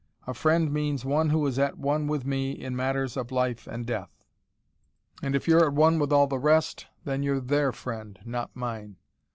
A friend means one who is at one with me in matters of life and death. And if you're at one with all the rest, then you're THEIR friend, not mine.